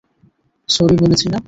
Sorry বলেছি না।